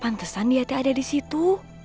pantesan dia tidak ada disitu